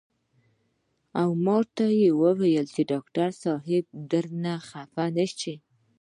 او ماته وائي چې ډاکټر صېب درنه خفه نشي " ـ